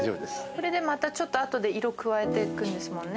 これでまたちょっとあとで色加えてくんですもんね